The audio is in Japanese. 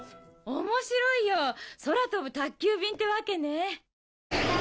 面白いよ空飛ぶ宅急便ってわけね。